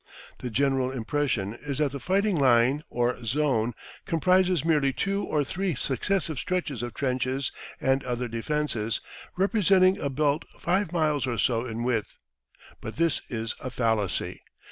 The general impression is that the fighting line or zone comprises merely two or three successive stretches of trenches and other defences, representing a belt five miles or so in width, but this is a fallacy.